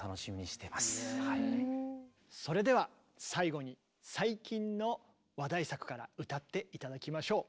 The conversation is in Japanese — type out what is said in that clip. それでは最後に最近の話題作から歌って頂きましょう。